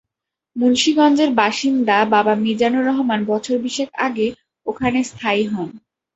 মুন্সিগঞ্জের বাসিন্দা বাবা মিজানুর রহমান বছর বিশেক আগে ওখানে স্থায়ী হন।